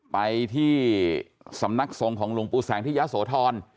ไปที่สำนักทรงของหลวงปู่แสงที่ยะโสธร